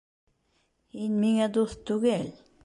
— Һин миңә дуҫ түгел!